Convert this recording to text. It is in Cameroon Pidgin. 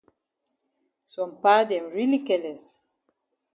Some pa dem really careless.